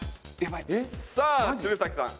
さあ鶴崎さん。